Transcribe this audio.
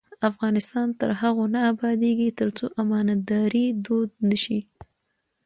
افغانستان تر هغو نه ابادیږي، ترڅو امانتداري دود نشي.